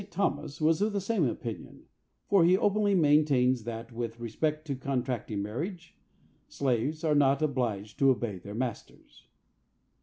Thomas was of the same opinion, for he openly maintains that, with respect to contracting marriage, "slaves are not obliged to obey their masters."